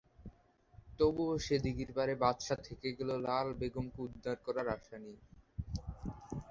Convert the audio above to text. তবুও সে দিঘির পাড়ে বাদশা থেকে গেল লাল বেগমকে উদ্ধার করার আশা নিয়ে।